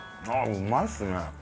うまいっすね。